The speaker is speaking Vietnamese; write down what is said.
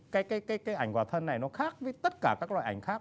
cái ảnh quả thân này nó khác với tất cả các loại ảnh khác